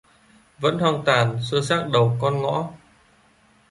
Vẫn hoang tàn xơ xác đầu con ngõ